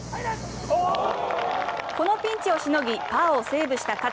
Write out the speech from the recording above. このピンチをしのぎパーをセーブした勝。